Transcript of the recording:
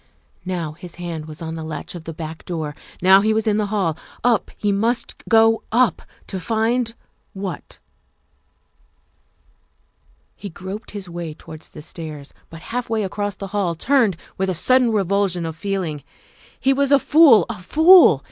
Now his hand was on the latch of the back door ; now he was in the hall ; up he must go up to find what ? He groped his way towards the stairs, but half way across the hall turned with a sudden revulsion of feel ing. He was a fool a fool.